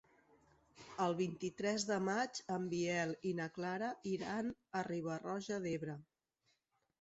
El vint-i-tres de maig en Biel i na Clara iran a Riba-roja d'Ebre.